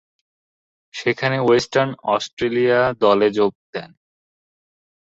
সেখানে Western Australia দলে যোগ দেন।